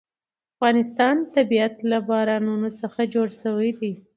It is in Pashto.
د افغانستان طبیعت له بارانونو څخه جوړ شوی دی.